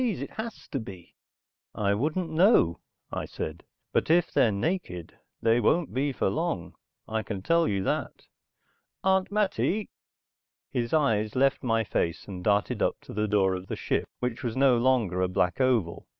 T.'s. It has to be." "I wouldn't know," I said. "But if they're naked they won't be for long, I can tell you that. Aunt Mattie...." His eyes left my face and darted up to the door of the ship which was no longer a black oval.